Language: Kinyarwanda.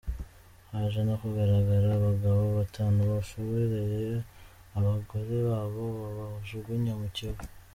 Haje no kugaragara abagabo batanu bashoreye abagore babo babajugunya mu kivu.